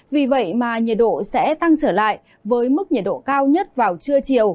vì vậy mà nhiệt độ sẽ tăng trở lại với mức nhiệt độ cao nhất vào trưa chiều